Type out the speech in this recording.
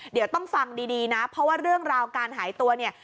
เดี๋ยวต้องฟังดีนะเพราะว่าเรื่องราวการหายตัวเนี่ย